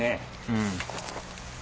うん。